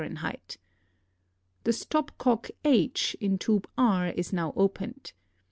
The stop cock H in tube R is now opened.